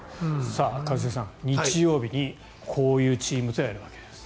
一茂さん、日曜日にこういうチームとやるわけです。